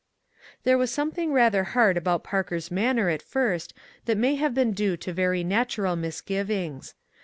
There was something rather hard about Parker's manner at first that may have been due to very natural misgivings.